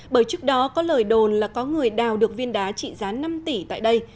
bởi trước đó có lời đồn là có người đào được viên đá trị giá năm tỷ tại đây